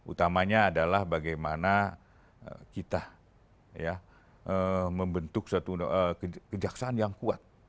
utamanya adalah bagaimana kita membentuk suatu kejaksaan yang kuat